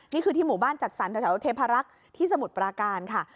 นี่คือที่หมู่บ้านจัดสรรแถวเทพารักษ์ที่สมุทรปราการค่ะ